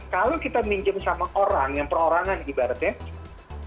pinjam sama orang yang perorangan ibaratnya